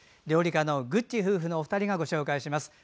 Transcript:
料理家のぐっち夫婦のお二人がご紹介します。